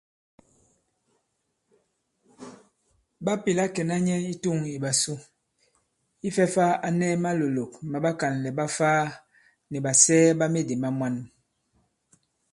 Ɓa pèla kɛ̀na nyɛ i tûŋ ìɓàsu ifɛ̄ fā a nɛ malòlòk ma ɓakànlɛ̀ ɓa Ifaa nì ɓàsɛɛ ɓa medì ma mwan.